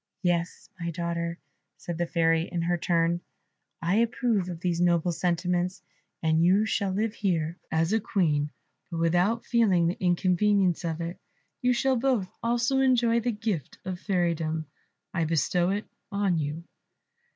"Yes, my daughter," said the Fairy in her turn, "I approve of these noble sentiments, and you shall live here as a Queen, but without feeling the inconvenience of it. You shall both also enjoy the gift of fairydom. I bestow it on you."